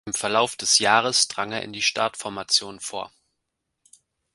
Im Verlauf des Jahres drang er in die Startformation vor.